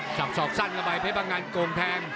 สับสอบสั้นกับไปเพชรปังงันโกงแทง